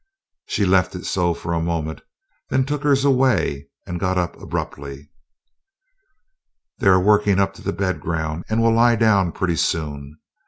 She left it so for a moment, then took hers away and got up abruptly. "They are working up to the bed ground and will lie down pretty soon.